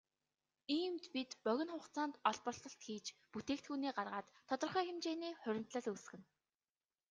Иймд бид богино хугацаанд олборлолт хийж бүтээгдэхүүнээ гаргаад тодорхой хэмжээний хуримтлал үүсгэнэ.